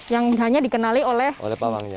yang hanya dikenali oleh pawangnya